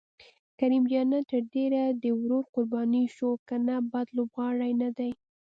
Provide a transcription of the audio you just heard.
کریم جنت تر ډېره د ورور قرباني شو، که نه بد لوبغاړی نه دی.